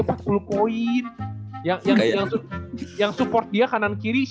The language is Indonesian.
poin yang support di kanan kiri